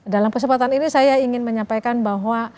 dalam kesempatan ini saya ingin menyampaikan bahwa